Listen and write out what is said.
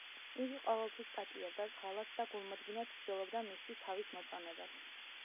იგი ყოველთვის პატიობდა ღალატს და გულმოდგინედ ცდილობდა მისთვის თავის მოწონებას.